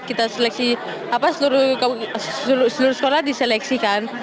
kita seleksi seluruh sekolah diseleksikan